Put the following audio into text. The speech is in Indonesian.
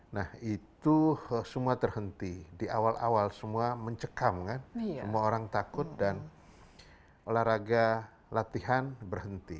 nah itu semua terhenti di awal awal semua mencekam kan semua orang takut dan olahraga latihan berhenti